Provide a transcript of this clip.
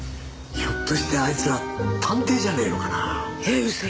ひょっとしてあいつら探偵じゃねえのかな？えっ嘘！？